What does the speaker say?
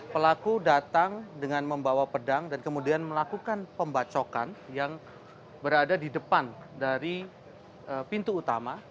pelaku datang dengan membawa pedang dan kemudian melakukan pembacokan yang berada di depan dari pintu utama